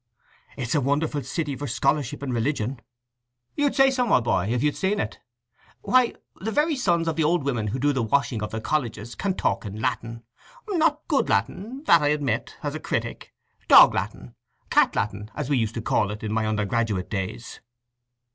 "It's a wonderful city for scholarship and religion?" "You'd say so, my boy, if you'd seen it. Why, the very sons of the old women who do the washing of the colleges can talk in Latin—not good Latin, that I admit, as a critic: dog Latin—cat Latin, as we used to call it in my undergraduate days."